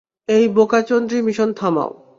এই বোকাচন্দ্রী মিশন থামাও।